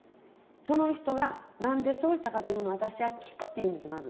その人がなんでそうしたかというのを私は聞くって言うんですまず。